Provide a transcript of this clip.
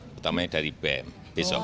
terutama yang dari bem besok